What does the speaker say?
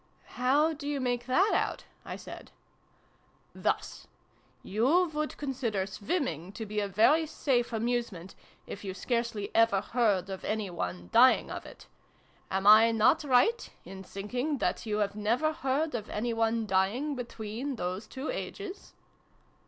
"How do you make that out?" I said. " Thus. You would consider swimming to be a very safe amusement, if you scarcely ever heard of any one dying of it. Am I not right in thinking that you never heard of any one dying between those two ages